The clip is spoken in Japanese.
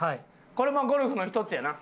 これもゴルフの一つやな。